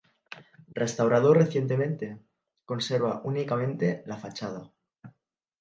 Restaurado recientemente, conserva únicamente la fachada.